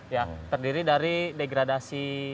ya terdiri dari degradasi